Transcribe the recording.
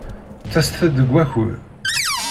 Ttaset-d deg wakud.